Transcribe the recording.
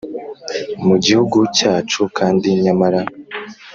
Mu gihugu cyacu kandi nyamara